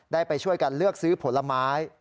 ได้ไปช่วยกันเลือกซื้อผลไม้